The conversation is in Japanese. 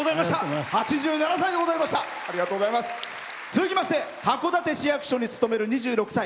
続きまして函館市役所に勤める２６歳。